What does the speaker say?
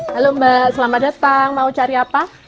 halo mbak selamat datang mau cari apa